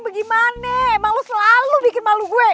bagaimana emang lu selalu bikin malu gue